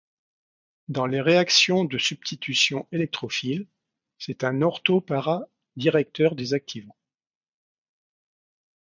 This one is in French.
Dans les réactions de substitution électrophile, c'est un ortho-para directeur désactivant.